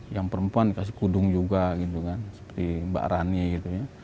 yang perempuan dikasih kudung juga gitu kan seperti mbak rani gitu ya